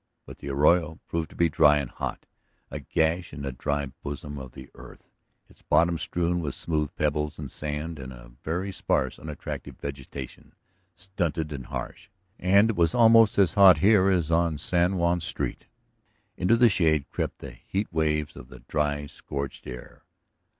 But the arroyo proved to be dry and hot, a gash in the dry bosom of the earth, its bottom strewn with smooth pebbles and sand and a very sparse, unattractive vegetation, stunted and harsh. And it was almost as hot here as on San Juan's street; into the shade crept the heat waves of the dry, scorched air.